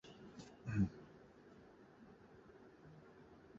— Xo‘p, ko‘zingni yumib yotgin-da, eshit...